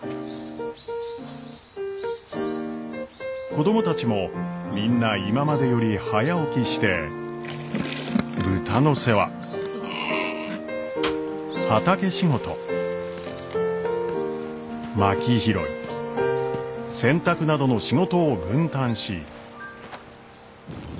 子供たちもみんな今までより早起きして豚の世話畑仕事まき拾い洗濯などの仕事を分担し。